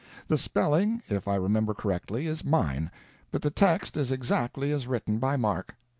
The spelling, if I remember correctly, is mine, but the text is exactly as written by Mark.